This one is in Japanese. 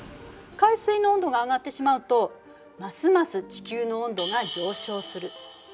海水の温度が上がってしまうとますます地球の温度が上昇する。